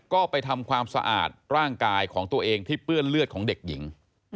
ก็ไปทำความสะอาดร่างกายของตัวเองที่เปื้อนเลือดของเด็กหญิง